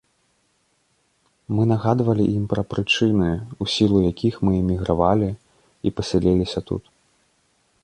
Мы нагадвалі ім пра прычыны, у сілу якіх мы эмігравалі і пасяліліся тут.